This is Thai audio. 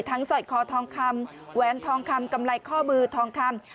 สอยคอทองคำแหวนทองคำกำไรข้อมือทองคำ